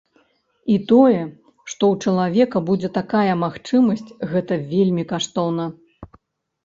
І тое, што ў чалавека будзе такая магчымасць, гэта вельмі каштоўна.